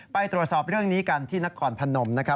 ไปตรวจสอบเรื่องนี้กันที่นครพนมนะครับ